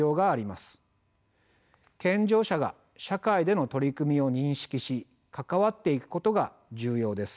健常者が社会での取り組みを認識し関わっていくことが重要です。